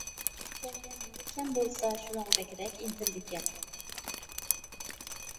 ئادەمدە نېمە كەم بولسا، شۇنىڭغا بەكرەك ئىنتىلىدىكەن.